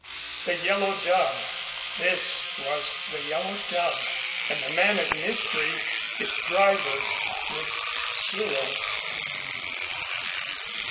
The Yellow Dove this was the Yellow Dove and the man of mystery, its driver, was Cyril.